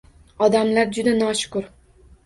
Odamlar juda noshukur